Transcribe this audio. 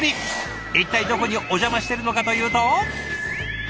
一体どこにお邪魔してるのかというと。